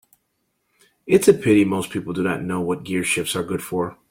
It's a pity most people do not know what gearshifts are good for.